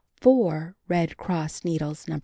4 Red Cross needles No.